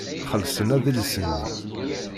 Xellṣen adlis-nni.